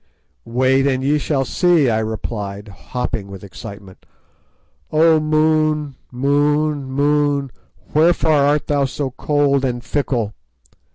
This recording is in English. "Wait, and ye shall see," I replied, hopping with excitement. "O Moon! Moon! Moon! wherefore art thou so cold and fickle?"